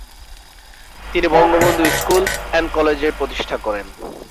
তিনি Bangabandhu school and college এর প্রতিষ্ঠা করেন।